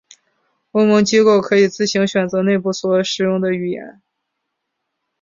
欧盟机构可以自行选择内部所使用的语言。